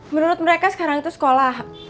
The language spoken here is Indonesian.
menurut mereka sekarang itu sekolah